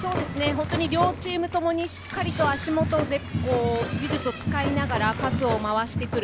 両チームともにしっかり足元の技術を使いながらパスを回してくる。